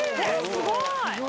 すごい！